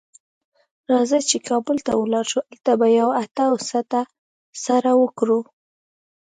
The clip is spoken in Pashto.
راځه چې کابل ته ولاړ شو؛ هلته به یوه هټه او سټه سره وکړو.